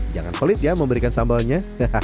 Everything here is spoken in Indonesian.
jangan polit ya memberikan sambelnya